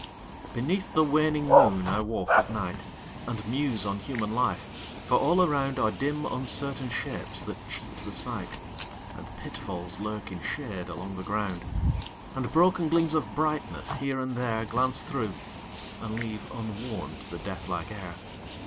Beneath the waning moon I walk at night, And muse on human life for all around Are dim uncertain shapes that cheat the sight, And pitfalls lurk in shade along the ground, And broken gleams of brightness, here and there, Glance through, and leave unwarmed the death like air.